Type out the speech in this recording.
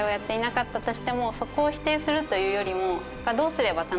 そこを否定するというよりも。